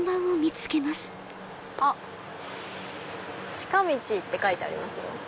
近道って書いてありますよ。